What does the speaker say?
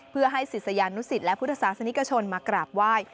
เพื่อให้ศิษยานุสิตและพุทธศาสนิกชนมากราบไหว้